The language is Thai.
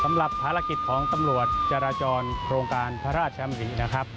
สำหรับภารกิจของตำรวจจราจรโครงการพระราชอำรินะครับ